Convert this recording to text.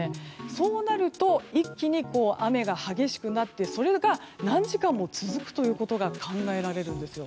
そうなると一気に雨が激しくなってそれが何時間も続くということが考えられるんですよ。